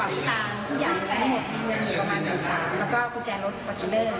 อันนี้มีบางบาทมีสักแล้วก็กุญแจรถวัตตไร